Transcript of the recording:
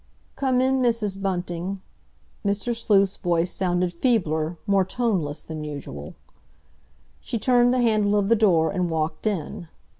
"Come in, Mrs. Bunting." Mr. Sleuth's voice sounded feebler, more toneless than usual. She turned the handle of the door and walked in.